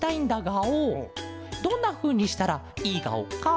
どんなふうにしたらいいガオか？